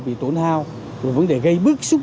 bị tổn hau rồi vấn đề gây bức xúc